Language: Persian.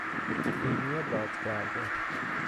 بینی باد کرده